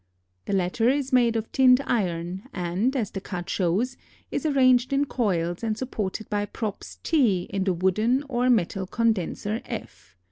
The latter is made of tinned iron and, as the cut shows, is arranged in coils and supported by props t in the wooden or metal condenser F.